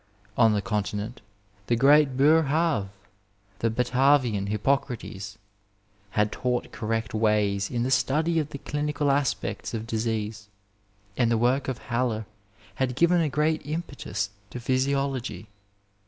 On the Con tinent the great Boerhaave — ^the Batavian Hippocrates — had taught correct ways in the study of the clinical aspects of disease, and the work of Haller had given a great impetus to physiology.